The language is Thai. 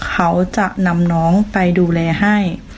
เขาจะนำน้องไปดูแลให้